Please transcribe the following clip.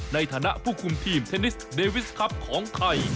ในฐานะผู้คุมทีมเทนนิสเดวิสครับของไทย